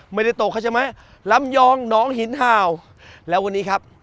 ไม่ได้ตกเขาใช่ไหมลำยองหนองหินเห่าแล้ววันนี้ครับ